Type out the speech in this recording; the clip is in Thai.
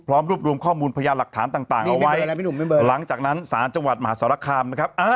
รวบรวมข้อมูลพยานหลักฐานต่างเอาไว้หลังจากนั้นศาลจังหวัดมหาสารคามนะครับ